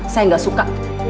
saya gak suka